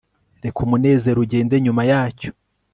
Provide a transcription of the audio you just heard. Reka umunezero ugende nyuma yacyo